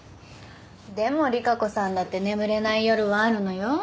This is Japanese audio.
でも利佳子さんだって眠れない夜はあるのよ。